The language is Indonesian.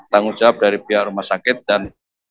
tanggung jawab dari pihak rumah sakit dan